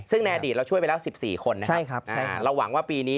ซึ่งในอดีตเราช่วยไปแล้ว๑๔คนนะครับเราหวังว่าปีนี้